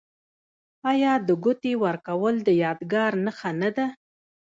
آیا د ګوتې ورکول د یادګار نښه نه ده؟